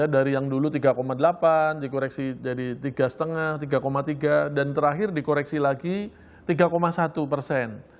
dari yang dulu tiga delapan dikoreksi jadi tiga lima tiga tiga dan terakhir dikoreksi lagi tiga satu persen